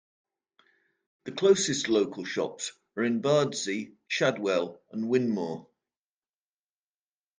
The closest local shops are in Bardsey, Shadwell and Whinmoor.